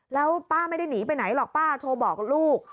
แล้วป้าไม่ได้หนีไปไหนหรอกป้าโทรบอกลูก